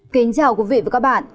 kính chào quý vị và các bạn